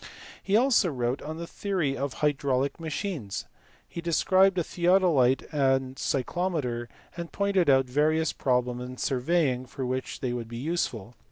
He also wrote on the theory of hydraulic machines. He described a theodolite and cyclometer, and pointed out various problems in surveying for which they would be useful.